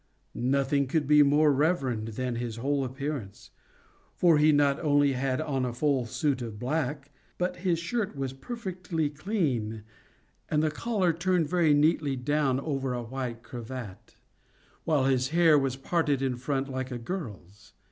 Nothing could be more reverend than his whole appearance; for he not only had on a full suit of black, but his shirt was perfectly clean and the collar turned very neatly down over a white cravat, while his hair was parted in front like a girl's.